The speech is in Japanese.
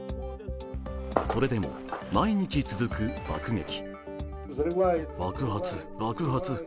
それでも、毎日続く爆撃。